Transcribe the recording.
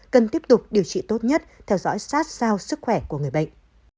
cần tiếp tục điều trị tốt nhất theo dõi sát sao sức khỏe của người bệnh